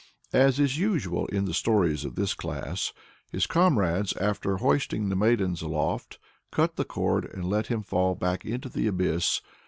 As is usual in the stories of this class, his comrades, after hoisting the maidens aloft, cut the cord and let him fall back into the abyss.